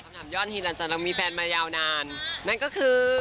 คำถามหย้อนหรือหน่านจอะเราผู้ชายให้มากี่ปีนั่นก็คือ